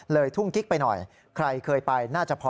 เลยถูกกลิ้กไปหน่อยใครเคยไปน่าจะพอนึกออก